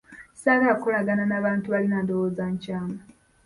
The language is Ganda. Ssaagala kukolagana na bantu balina ndowooza nkyamu.